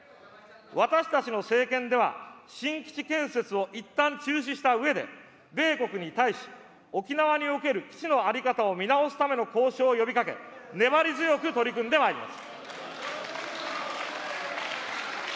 私たちの政権では、新基地建設をいったん中止したうえで、米国に対し、沖縄における基地の在り方を見直すための交渉を呼びかけ、粘り強く取り組んでまいります。